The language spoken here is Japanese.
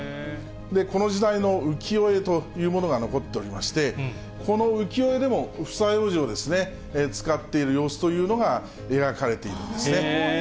この時代の浮世絵というものが残っておりまして、この浮世絵でも、房楊枝を使っている様子というのが描かれているんですね。